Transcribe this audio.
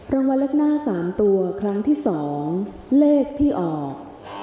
รางวัลเลขหน้า๓ตัวครั้งที่๒เลขที่ออก